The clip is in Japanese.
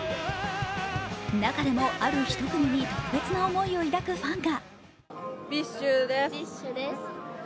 中でも、あるひと組に特別な思いを抱くファンが。